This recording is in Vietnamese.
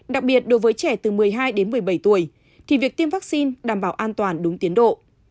đặc biệt đối với trẻ từ một mươi hai đến một mươi bảy tuổi thì việc tiêm vaccine đảm bảo an toàn đúng tiến độ